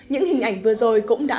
những hình ảnh vừa rồi cũng đã